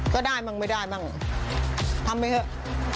ก็ได้บ้างไม่ได้บ้างทำไปเถอะ